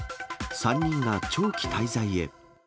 ３人が長期滞在へ。